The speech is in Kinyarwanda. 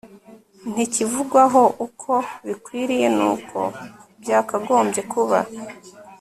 ntikivugwaho uko bikwiriye nuko byakagombye kuba